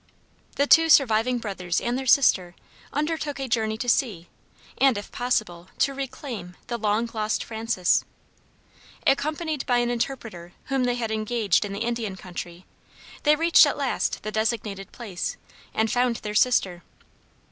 The two surviving brothers and their sister undertook a journey to see, and if possible, to reclaim, the long lost Frances. Accompanied by an interpreter whom they had engaged in the Indian country, they reached at last the designated place and found their sister.